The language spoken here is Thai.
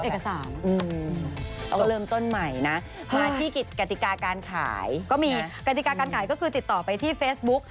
ต้องเริ่มต้นใหม่นะมาที่กติกาการขายก็มีกติกาการขายก็คือติดต่อไปที่เฟซบุ๊ก